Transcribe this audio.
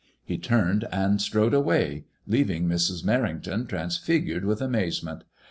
He turned and strode away, leaving Mrs. Merrington trans figured with amazement.